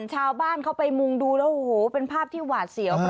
ชาวบ้านเข้าไปมุงดูแล้วโอ้โหเป็นภาพที่หวาดเสียว